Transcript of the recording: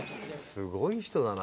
すごい人だな。